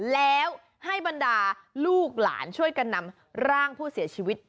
แล้วให้บรรดาลูกหลานช่วยกันนำร่างผู้เสียชีวิต